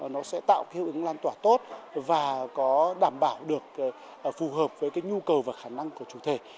nó sẽ tạo cái hiệu ứng lan tỏa tốt và có đảm bảo được phù hợp với cái nhu cầu và khả năng của chủ thể